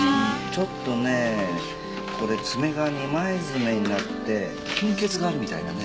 ちょっとねこれ爪が二枚爪になって貧血があるみたいだね。